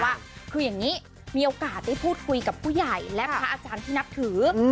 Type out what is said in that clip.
ว่าคืออย่างนี้มีโอกาสได้พูดคุยกับผู้ใหญ่และพระอาจารย์ที่นับถือ